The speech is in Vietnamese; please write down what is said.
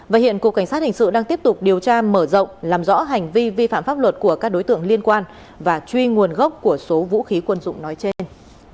và hiện cục cảnh sát hình sự đang tiếp tục điều tra mở rộng làm rõ hành vi vi phạm pháp luật của các đối tượng liên quan và truy nguồn gốc của số vũ khí quân dụng nói trên